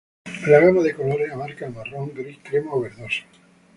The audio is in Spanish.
La gama de colores abarca el marrón, gris, crema o verdoso.